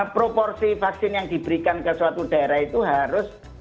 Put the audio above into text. proporsi vaksin yang diberikan ke suatu daerah itu harus